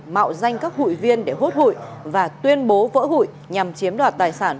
mạo danh các hụi viên để hốt hụi và tuyên bố vỡ hụi nhằm chiếm đoạt tài sản